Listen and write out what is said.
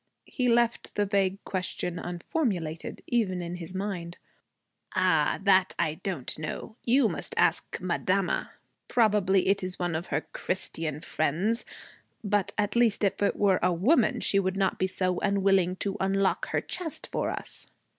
He left the vague question unformulated, even in his mind. 'Ah, that I don't know. You must ask madama. Probably it is one of her Christian friends. But at least if it were a woman she would not be so unwilling to unlock her chest for us!'